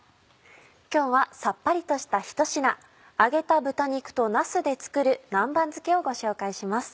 今日はさっぱりとした一品揚げた豚肉となすで作る南蛮漬けをご紹介します。